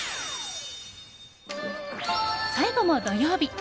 最後も土曜日。